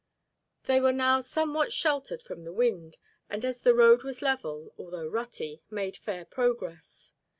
They were now somewhat sheltered from the wind, and as the road was level, although rutty, made fair progress.